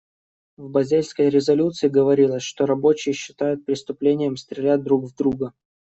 В базельской резолюции говорилось, что рабочие считают преступлением стрелять друг в друга.